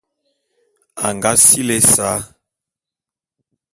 Anag sili ésa.